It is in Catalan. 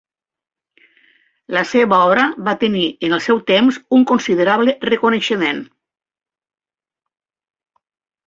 La seva obra va tenir en el seu temps un considerable reconeixement.